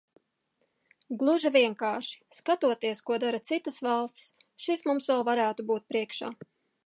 Gluži vienkārši, skatoties, ko dara citas valstis, šis vēl mums varētu būt priekšā.